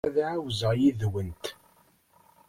Ad ɛawzeɣ yid-went.